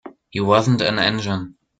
He wasn't an engine.